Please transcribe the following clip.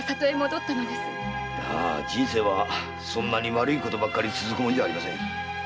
まあ人生はそんなに悪いことばかり続くもんじゃありません。